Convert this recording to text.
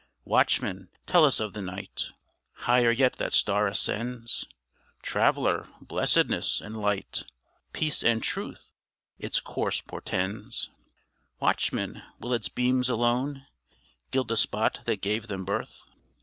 Watchman! tell us of the night; Higher yet that star ascends: Traveler! blessedness and light, Peace and truth, its course portends. Watchman! will its beams alone Gild the spot that gave them birth?